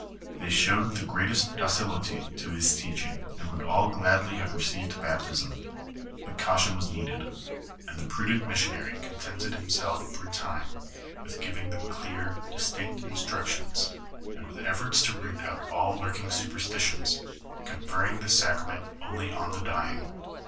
They showed the greatest docility to his teaching, and would all gladly have received baptism, but caution was needed, and the prudent naissionary contented himself for a time with giving them clear, distinct instructions, and with efforts to root out all lurking superstitions, conferring the sacrament only on the dying.